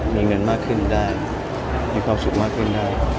มีเงินมากขึ้นได้มีความสุขมากขึ้นได้